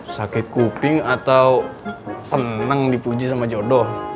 sakit kuping atau senang dipuji sama jodoh